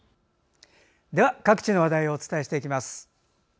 では、各地の話題をお伝えします。